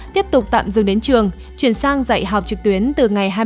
tiếp tục tạm dừng đến trường chuyển sang dạy học trực tuyến từ ngày hai mươi